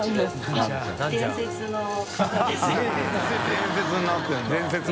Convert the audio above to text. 伝説になってるんだ。